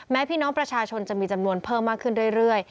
พี่น้องประชาชนจะมีจำนวนเพิ่มมากขึ้นเรื่อย